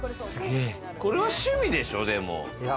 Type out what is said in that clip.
これは趣味でしょ、でも。